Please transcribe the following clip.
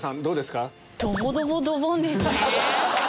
どうですか？